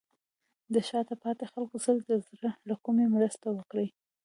د شاته پاتې خلکو سره د زړه له کومې مرسته وکړئ.